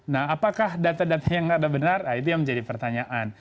nah apakah data data yang ada benar itu yang menjadi pertanyaan